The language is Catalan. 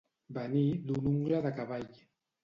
Venir d'una ungla de cavall.